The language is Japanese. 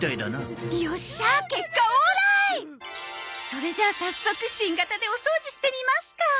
それじゃあ早速新型でお掃除してみますか。